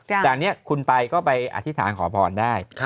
แต่อันนี้คุณไปก็ไปอธิษฐานขอพรได้